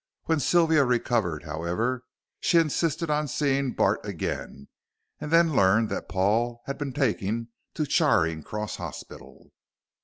When Sylvia recovered, however, she insisted upon seeing Bart again, and then learned that Paul had been taken to Charing Cross Hospital.